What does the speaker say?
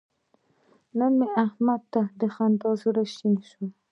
نن مې احمد ته له خندا زړه شین شو.